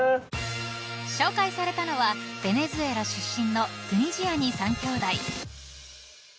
［紹介されたのはベネズエラ出身のトゥニジアニ三兄弟］